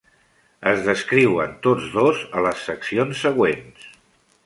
Es descriuen tots dos a les seccions següents.